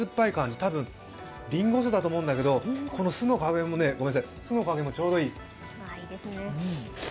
多分、リンゴ酢だと思うんだけど、酢の加減もちょうどいい。